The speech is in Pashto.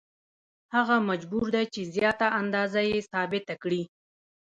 هغه مجبور دی چې زیاته اندازه یې ثابته کړي